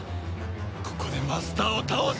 ここでマスターを倒す！